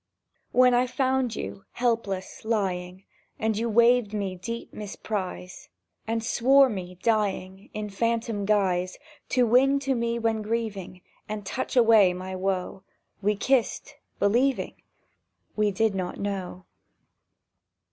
When I found you, helpless lying, And you waived my deep misprise, And swore me, dying, In phantom guise To wing to me when grieving, And touch away my woe, We kissed, believing ... —We did not know!